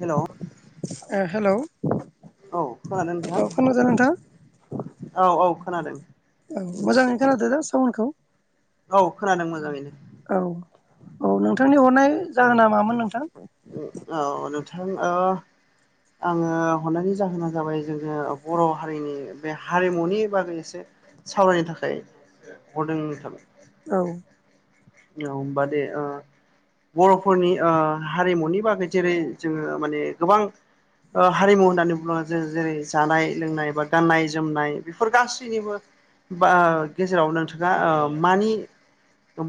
Hello [unintelligible] ओ hello. औ खोनादों नोंथां? नोंथां औ औ खोनादों। औ मोजाङैनो खोनादो दा सावनखौ? औ खोनादों मोजाङैनो। औ नोंथांनि हरनाय जाहोना मामोन नोंथां? उ औ नोंथां ओ आङो हरनायनि जाहोना जाबाय जोङो बर' हारिनि बे हारिमुनि बागै एसे। सावरायनो थाखाय हरदों नोंथां। औ। औ होमबा दे ओ। बर'फोरनि ओ हारिमुनि बागै जेरै जोङो माने गोबां। ओ हारिमु होननानै बुङोब्ला जों जेरै जानाय लोंनाय बा गाननाय जोमनाय बेफोर गासैनिबो। बा गेजेराव नोंथाङा ओ मानि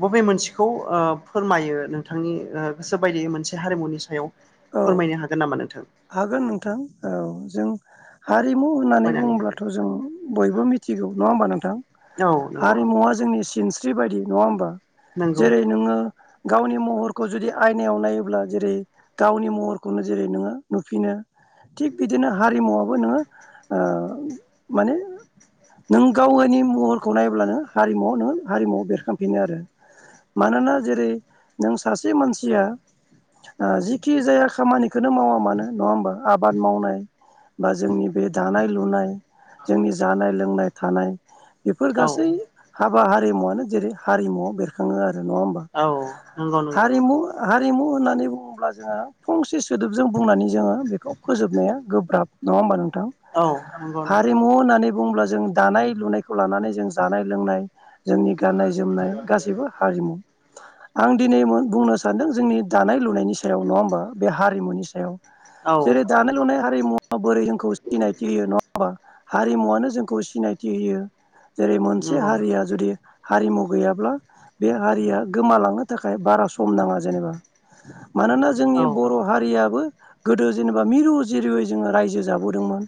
बबे मोनसेखौ ओ फोरमायो नोंथांनि गोसो बायदियै मोनसे हारिमुनि सायाव। औ फोरमायनो हागोन नामा नोंथां हागोन नोंथां औ जों हा रिमु होननानै फोरमायनानै होदो बुङोब्लाथ' जों बयबो मिथिगौ नङा होमबा नोंथां? औ नंगौ हारिमुवा जोंनि सिनस्रि बायदि नङा होमबा नंगौ जेरै नोङो गावनि महरखौ जुदि आयनायाव नायोब्ला जेरै गावनि महरखौनो जेरै नोङो नुफिनो। थिग बिदिनो हारिमुवाबो नोङो ओ माने नों गावगानि महरखौ नायब्लानो हारिमु हारिमुआव बेरखांफिनो आरो। मानोना जेरै नों सासे मानसिया ओ जि खि जाया खामानिखोनो मावा मानो नङा होमबा आबाद मावनाय बा जोंनि बे दानाय लुनाय। जोंनि जानाय लोंनाय थानाय बेफोर औ गासै हाब बा हारिमुवनो जेरै हारिमुआव बेरखाङो आरो नङा होमबा औ नंगौ नंगौ हारिमु हा रिमु होननानै बुङोब्ला जोङो फंसे सोदोबजों बुंनानै जोङो बेखौ फोजोबनाया गोब्राब। नङा होमबा नोंथां औ नंगौ नोंथां हारिमु होननानै। बुङोब्ला जों दानाय लुनायखौ लानानै जों जानाय लोंनाय। जोंनि गाननाय जोमनाय गासैबो हारिमु। आं दिनै मोन बुंनो सानदों जोंनि दानाय लुनायनि स हारिमुनि सायाव औ जेरै दानाय नंगौ नंगौ लुनाय हारिमुवा बोरै जोंखौ सिनायथि होयो नङा होमबा? हारिमुवानो जोंखौ सिनायथि होयो जेरै मोनसे हारिया जुदि हारिमु गैयाब्ला बे हारिया गोमालांनो थाखाय बारा सम नाङा जेनेबा। मानोना जोंनि औ बर' हारियाबो। गोदो जेनेबा मिरु जिरुयै जोङो रायजो जाबोदोंमोन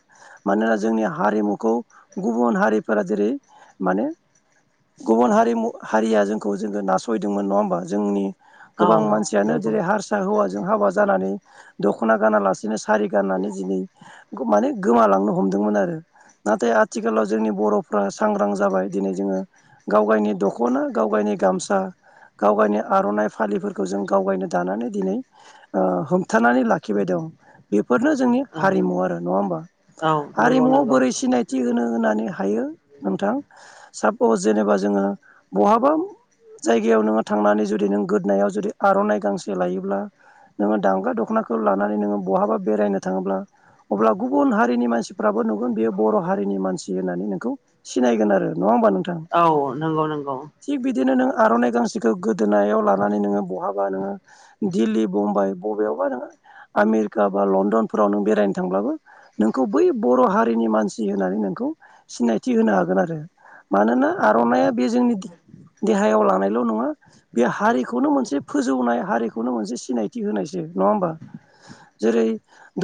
मानोना जोंनि हारिमुखौ। गुबुन हारिफोरा जेरै मानो [inaudible] गुबुन हारिमु हारिया जोंखौ जोङो नासयदोंमोन नङा होमबा जोंनि। गोबां औ मानसियानो नंगौ जेरै हारस हौवाजों हाबा जानानै दख'ना गानालासेनो सारि गाननानै दिनै माने गोमालांनो हमदोंमोन आरो। नाथाय आथिखालाव जोंनि बर'फ्रा सांग्रां जाबाय दिनै जोङो गाव गायनि दख'ना गाव गायनि गामसा गावगायनि आर'नाइ फालिफोरखौ जों गावगायनो दानानै दिनै ओ हमथानानै लाखिबाय दं। बे बेफोरनो जोंनि औ हारिमु आरो नङा होमबा औ नंगौ हारिमुआव बोरै सिनायथि होनो होननानै हायो नोंथां सापस जेनेबा जोङो बहाबा जायगायाव नोङो थांनानै जुदि नों गोदोनायाव जुदि आर'नाइ गांसे लायो ब्ला नोङो दामग्रा दख'नाखौ लानानै नोङो बहाबा बेरायनो थाङोब्ला अब्ला गुबुन हारिनि मानसिफ्राबो नुगोन बेयो बर' हारिनि मानसि होननानै नोंखौ सिनायगोन आरो। नङा होमबा नोंथां औ नंगौ नंगौ थिग बिदिनो नों आर'नाइ गांसेखौ गोदोनायाव लानानै नोङो बहाबा नोङो दिल्ली बुम्बाइ बबेयावबा नोङो आमेरिका बा लण्डनफोराव नों बेरायनो थांब्लाबो नोंखौ बै बर' हारिनि मानसि होननानै नों खौ सिनायथि होनो हागोन आरो। मानोना आर'नाइया बे जोंनि देहायाव लानायल' नङा बे हारि खौनो मोनसे फोजौनाय हारिखौनो मोनसे सिनायथि होनायसो नङा होमबा। जेरै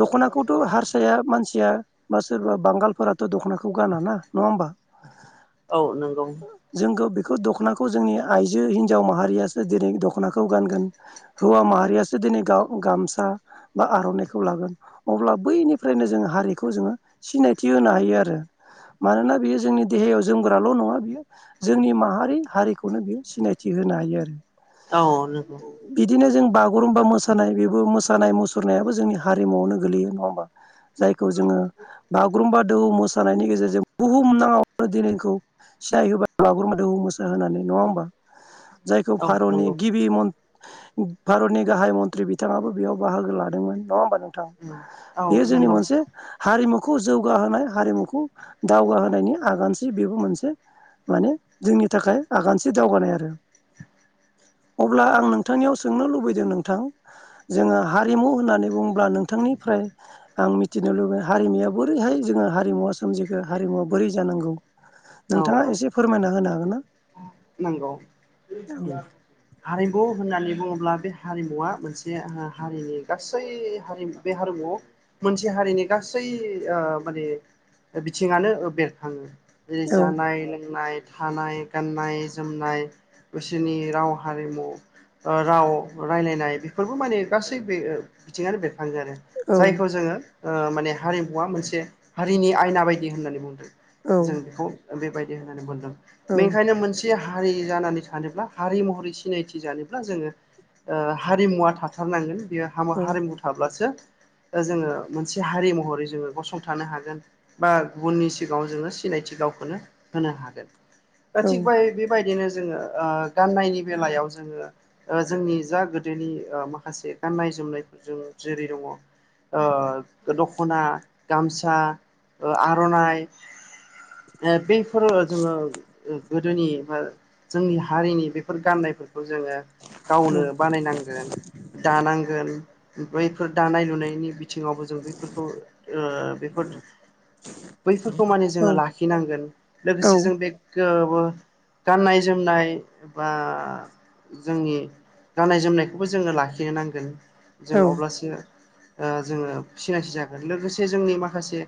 दख'नाखौथ' हारसाया मानसिया बा सोरबा बांगालफोराथ' दख'नाखौ गाना ना नङा होमबा। औ नोंगौ। जोंखौ बेखौ दख'नाखौ जोंनि आइजो हिनजाव माहारियासो दिनै दख'नाखौ गानगोन। हौवा माहारियासो दिनै गामसा बा आर'नाइखौ लागोन अब्ला बैनिफ्रायनो जों हारिखौ जोङो सिनायथि होनो हायो आरो। मानोना बियो जोंनि देहायाव जोमग्राल' नङा बियो जोंनि माहारि हारिखौनो बियो सिनायथि होयो। होनो हायो आरो। औ नंगौ बिदिनो जों बागुरुम्बा मोसानाय बेबो मोसानाय मुसुरनायाबो जोंनि हारिमुवआवनो गोगलैयो नङा होमबा। जायखौ जोङो बा बागुरुम्बा दोहौ मोसानायनि गेजेरजों बुहुमनाङावनो दिनैखौ सिनायहोबा बागुम्बा दोहौ मोसा होनानै नङा होमबा जायखौ औ भारतनि नंगौ गिबि मन भारतनि गाहाय मन्त्रि बिथाङाबो बेयाव बाहागो लादोंमोन नङा होमबा नो थां। औ बेयो जोंनि नंगौ मोनसे हारिमु। खौ जौगाहोनाय हारिमुखौ दावगाहोनायनि आगानथि बेबो मोनसे। माने जोंनि थाखाय आगानसे दावगानाय आरो अब्ला आं नों थांनियाव सोंनो लुबैदों नोंथां जोङो हारिमु होननानै बुंङोब्ला नोंथांनिफ्राय। आं मिथिनो लुबगैयो हारिमुया बोरैहाय जोङो हारिमुवा सोमजिखो हारिमुवा बोरै जानांगौ। औ नोंथाङा औ एसे फोरमायना होनो हागोन ना? नंगौ हारिमु होननानै बुङोब्ला बे हारिमुवा मोनसे हारिनि गासै हारिमु बे हारिमुआव। मोनसे हारिनि गासै ओ माने बिथिङानो बेरखाङो। जेरै औ जानाय लोंनाय। थानाय गाननाय जोमनाय बिसोरनि राव हारिमु। ओ राव रायलायनाय बेफोरबो माने गासै बे बिथिंङानो बेर खायो‌‌ आरो औ जायखौ जोङो। ओ माने हारिमुवा मोनसे हारिनि आयना बायदि होननानै बुंदों औ जों बेखौ। बेबायदि होननानै बुंदों बेनिखायनो मोनसे। हारि जानानै थानोब्ला हारि महरै सिनायथि जानोब्ला जोङो। ओ हारिमुवा थाथारनांगोन बेयो हारिमु थाब्लासो जोङो मोनसे हारि महरै जोङो गसंथानो हागोन बा गुबुननि सिगाङाव जोङो सिनायथि गावखौनो होनो हागोन दा औ थिग बेबायदिनो जोङो ओ गाननायनि बेलायाव जोङो ओ जोंनि जा गोदोनि ओ माखासे गानाय जोमनायफोरजों जेरै दङ दख'ना, गामसा ओ आर'नाइ ओ बैफोर जोङो गोदोनि बा जोंनि हारिनि बेफोर गान्नायफोर खौ जोङो औ गावनो बानायनांगोन, दानांगोन बैफोर दानाय लुनायनि थिङावबो जों बैफोरखौ ओ बेफोर बैफोरखौ माने औ जोङो लाखिनांगोन औ लोगोसे जों बे ओ गाननाय जोमनाय बा जोंनि गाननाय जोमनायखौबो जोङो लाखिनो नांगोन जों अब्लासो ओ जोङो सिनायथि जागोन लोगोसे जोंनि माखासे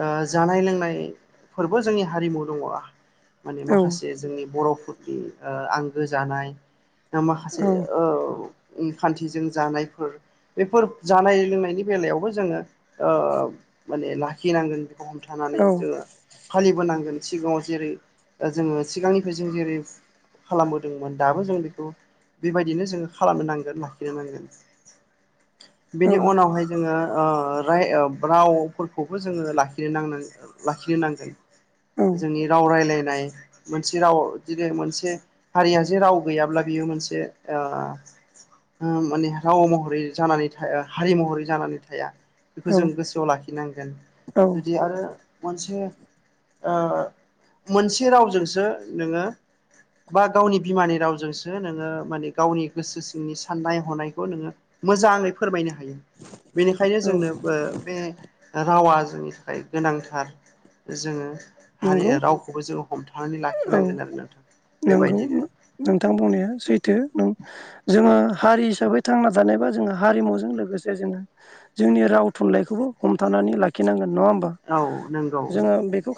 ओ जानाय लोंनाय फोरबो जोंनि हारिमु दङ, माने औ माखासे जोंनि बर' नि ओ आंगो जानाय ना माखासे औ ओ उम खान्थिजों जानायफोर बेफोर जानाय लोंनायनि बेलायावबो जोङो ओ माने लाखिनांगोन बेखौ हमथानानै जोङो फालिबोनां नांगोन। सिगाङाव जेरै जोङो सिगांनिफ्राय जों जेरै खालामबोदोंमोन दाबो जों बेखौ बेबायदिनो जोङो खालामनो नांगोन लाखिनो नांगोन। बेनि उनावहाय जोङो ओ राय ओ रावफोरखौबो जोङो लाखिनो नां लाखिनो नांगोन। औ जोंनि राव रायलायनाय नाय मोनसे राव जुदि मोनसे हारिया जे राव गैयाब्ला बियो मोनसे ओ उम माने राव महरै जानानै थाया हारि महरै जानानै थाया। बेखौ जों औ गोसोआव लाखिनांगोन। औ जुदि आरो मोनसे ओ मोनसे रावजोंसो नोङो बा गावनि बिमानि रावजोंसो नोङो माने गावनि गोसो सिंनि साननाय हनायखौ नोङो मोजाङै फोरमायनो हायो। बेनिखायनो औ जोंनो बे रावा जोंनि थाखाय गोनांथार जोङो हारि नंगौ रावखौबो जोङो थांनानै लाखिनांगोन आरो नोंथां। नोंगौ बेबायदिनो नोंथां बुंनाया सैथो। जोङो हारि हिसाबै थांना थानायबा जोो हारिमुजों लोगोसे जोङो जोंनि नि राव थुनलाइखौबो हमथानानै लाखिनांगोन नङा होमबा? औ नंगौ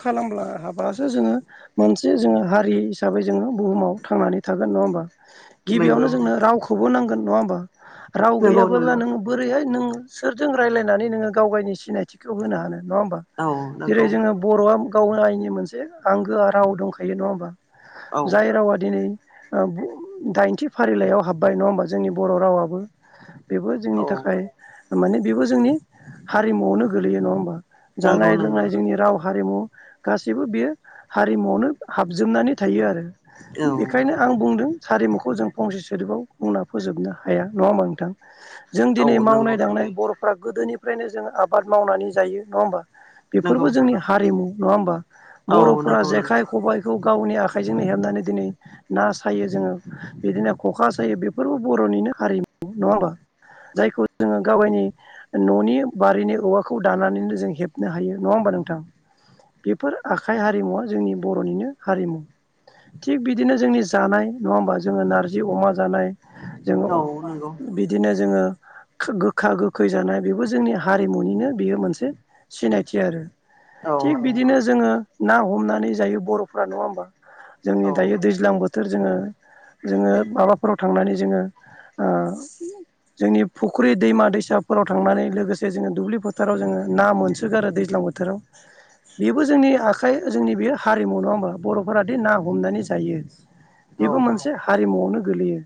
खालामब्ला हाबासो जोङो मोनसे जोङो हारि हिसाबै जोङो बुहुमाव थांनानै थागोन नङा होमबा? गिबियावनो नंगौ जोंनो रावखौबो नांगोन नङा होमबा? राव नंगौ गैयाबोला नंगौ नोङो बोरैहाय नों सोरजों रायलायनानै नोङो गाव गावनि सिनायथिखौ होनो हानो नङा होमबा? औ जेरै नंगौ जोङो बर'आ गाव आइनि मोनसे आंगोआ राव दंखायो नङा होमबा? औ जाय रावा दिनै ओ दाइनथि फारिलाइयाव हाबबाय नङा होमबा जोंनि बर' रावाबो। बेबो जोंनि औ थाखाय माने बेबो जोंनि हारिमुआवनो गोलैयो नङा होमबा? नंगौ जानाय नंगौ लोंनाय जोंनि राव हारिमु गासिबो बेयो हारिमुआवनो हाबजोबनानै थायो आरो। औ बेखायनो आं बुंदों हारिमुखौ जों फंसे सोदोबाव बुंना फोजोबनो हाया नङा होमा नोंथां? जों औ दिनै नंगौ मावनाय दांनाय थारै बर'फ गोदोनिफ्रायनो जों आबाद मावनानै जायो नङा होमबा? बेफोरबो नंगौ जोंनि हारिमु नङा होमबा? औ बर'फोरा नंगौ नंगौ जेखाइ खबायखौ गावनि आखा आखाइजोंनो हेबनानै दिनै ना सायो जोङो बिदिनो ख'खा सायो बेफोरबो बर'निनो हारिमु। नङा होमबा? जायखौ जोङो गावायनि न'नि बारिनि औवाखौ दानानैनो जों हेबनो हायो नङा होमबा? नोंथां, बेफोर आखाइ हारिमुवा जोंनि बर'निनो हारिमु। थिग बिदिनो जोंनि जानाय नङा होमबा जोङो नारजि अमा जानाय जोङो औ नंगौ बिदिनो जोङो गोखा गोखै जानाय बेबो जोंनि हारिमुनिनो बेयो मोनसे सिनायथि आरो। औ थिग नंगौ बिदिनो जोङो ना हमनानै जायो बर'फोरा नङा होमबा? जोंनि औ दायो दैज्लां बोथोर जोङो जोङो माबाफोराव थांनानै जोङो ओ। जोंनि फुख्रि दैमा दैसाफोराव थांनानै लोगोसे जोङो दुब्लि फोथाराव जोङो ना मोनसोगारो आरो दैज्लां बोथोराव बेबो जोंनि आखाइ जोंनि बे हारिमु नङा होमबा बर' फोरादि ना हमनानै जायो बेबो औ मोनसे हारिमुआवनो गोग्लैयो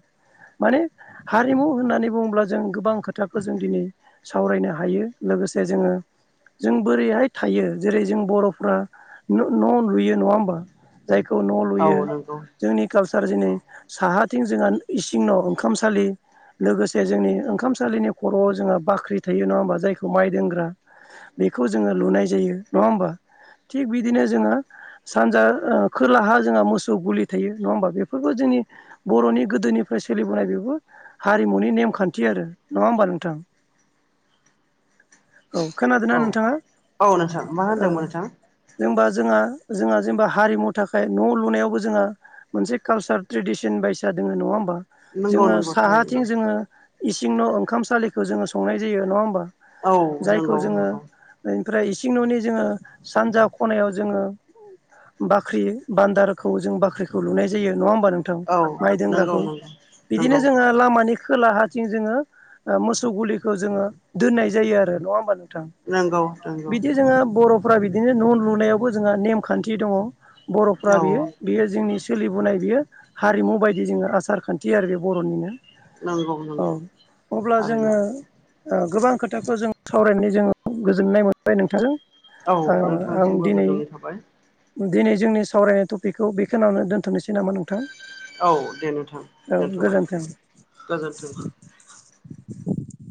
माने हारिमु होननानै बुङोब्ला जों गोबां खोथाखौ जों दिनै सावरायनो हायो लोगोसे जोङो जों बोरैहाय थायो जेरै जों बर'फ न' न लुयो नङा होमबा? जायखौ न' लुयो औ नंगौ जोंनि कालसार दिनै औ साहा थिं जोंहा इसिं न' ओंखामसालि लोगोसे जोंनि ओंखामसालिनि खर'आव जोंहा बाख्रि थायो नङा होमबा जायखौ माइ दोनग्रा बेखौ जोङो लुनाय जायो नङा होमबा थिग बिदिनो जोङो सानजा ओ खोलाहा जोंहा मोसौ गुलि थायो नङा होमबा बेफोरखौ जोंनि बर'नि गोदोनिफ्राय सोलिबोनाय बेबो हारिमुनि नेमखान्थि आरो नङा होमबा नोंथां? [inaudible] औ खोनादोंना औ नोंथाङा औ नोंथां मा औ होनदोंमोन नोंथां होनबा जोंहा जोंहा जेनेबा हारिमु थाखाय न' लुनायावबो जोंहा मोनसे कालसार ट्रेडिसन बायसा दोङो नङा होमबा? नंगौ जोङो नंगौ साहाथिं थारैनो जोङो इसिं न' ओंखाम सालिखौ जोङो संनाय जायो नङा होमबा? औ जायखौ नंगौ जोङो नंगौ ओमफ्राय इसिं न'नि जोङो सानजा खनायाव जोङो बा बाख्रि बान्दारखौ जों बाख्रिखौ लुनाय जायो। नङा होनबा नोंथां औ माइ नंगौ दोंनग्राखौ बिदिनो नंगौ जोंओ लामानि खोला हाथिं जोङो मोसौ गुलिखौ जोङो दोननाय जायो आरो नङा होमबा नों थां नंगौ नंगौ बिदि जोंहा बर' फोरा बिदिनो न' लुनायावबो जोंहा नेमखान्थि दङ बर'फ्रा बियो औ बियो जोंनि सोलिबोनाय बियो हारिमु बायदि जोङो आसार खान्थि आरो बे बर'निनो। नंगौ औ नंगौ अब्ला जोङो थारैनो ओ गोबां खोथाखौ जों सावरायनानै जों गोजोननाय मोनबाय नोंथांजों। औ ओ आं नोंथांसिमबो दिनै गोजोननाय थाबाय। दिनै जोंनि सावरायनाय टपिकखौ बेखिनिआवनो दोनथ'नोसै नामा नोंथां? औ दे नोंथां औ दोनथ'बाय गोजोन्थों। गोजोन्थों।